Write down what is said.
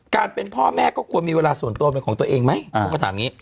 การเป็นพ่อแม่ก็มีเวลาส่วนตัวหนึ่งเป็นของตัวเองไหม